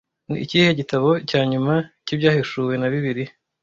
Ni ikihe gitabo cya nyuma cy'Ibyahishuwe na Bibiliya?